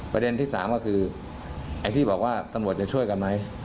ประเด็นที่สามก็คือไอ้ที่บอกว่าตำรวจจะช่วยกันไหม